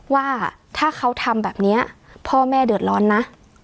ว่าถ้าเขาทำแบบนี้พ่อแม่เดือดร้อนนะ